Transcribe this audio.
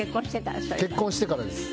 それは。結婚してからです。